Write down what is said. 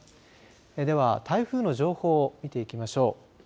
では台風の情報を見ていきましょう。